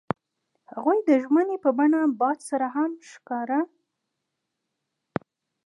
هغوی د ژمنې په بڼه باد سره ښکاره هم کړه.